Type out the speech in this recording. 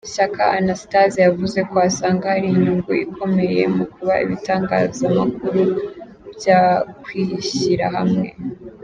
Shyaka Anastase, yavuze ko asanga hari inyungu ikomeye mu kuba ibitangazamakuru byakwishyira hamwe.